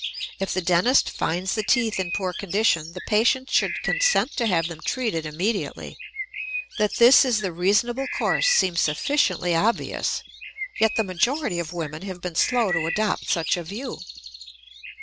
If the dentist finds the teeth in poor condition, the patient should consent to have them treated immediately. That this is the reasonable course seems sufficiently obvious, yet the majority of women have been slow to adopt such a view.